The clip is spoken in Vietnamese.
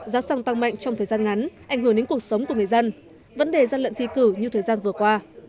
giá xăng tăng mạnh trong thời gian ngắn ảnh hưởng đến cuộc sống của người dân vấn đề gian lận thi cử như thời gian vừa qua